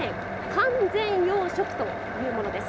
完全養殖というものです。